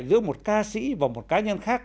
giữa một ca sĩ và một cá nhân khác